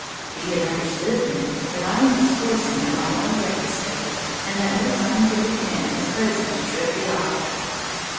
Be it understood, then, that I am discoursing at my own breakfast table, and that no scientific man is present to trip the autocrat.